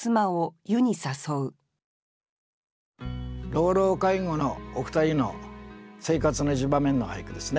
老老介護のお二人の生活の一場面の俳句ですね。